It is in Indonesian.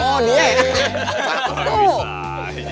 oh dia ya